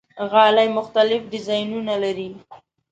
غالۍ مختلف ډیزاینونه لري.